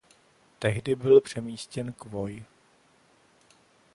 Tehdy byl přemístěn k voj.